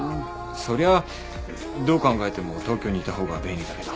そりゃどう考えても東京にいた方が便利だけど。